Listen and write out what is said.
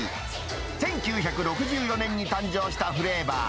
１９６４年に誕生したフレーバー。